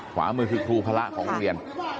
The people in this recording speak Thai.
ขวามือคือครูพระของโรงเรียน